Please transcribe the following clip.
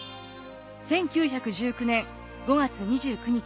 １９１９年５月２９日。